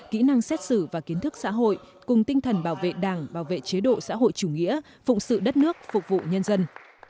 kỹ năng xét xử và kiến thức xã hội cùng tinh thần bảo vệ đảng bảo vệ chế độ xã hội chủ nghĩa phụng sự đất nước phục vụ nhân dân